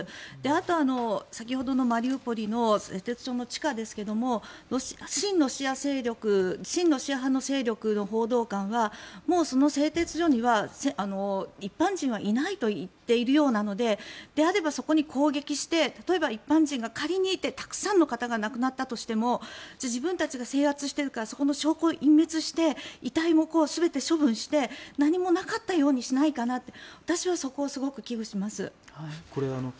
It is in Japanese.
あと、先ほどのマリウポリの製鉄所の地下ですけれども親ロシア派の勢力の報道官はもうその製鉄所には一般人はいないと言っているようなのでそうであればそこに攻撃して例えば、一般人が仮にいてたくさんの方が亡くなったとしても自分たちが制圧しているからそこの証拠を隠滅して遺体も全て処分して何もなかったようにしないかなって私はそこをすごく危惧します。